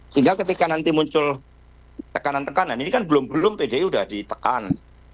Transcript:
sehingga ketika nanti muncul tekanan tekanan ini kan belum belum pdi sudah ditekan